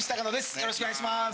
よろしくお願いします。